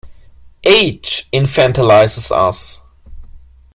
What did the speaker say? Age infantilizes us.